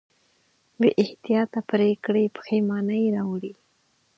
بېاحتیاطه پرېکړې پښېمانۍ راوړي.